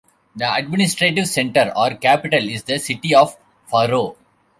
The administrative centre, or capital, is the city of Faro.